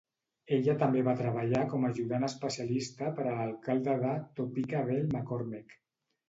Ella també va treballar com ajudant especialista per a l'alcalde de Topeka Bill McCormick.